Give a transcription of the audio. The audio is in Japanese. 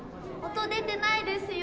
音出てないですよ